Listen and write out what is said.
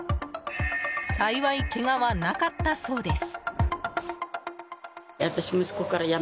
幸い、けがはなかったそうです。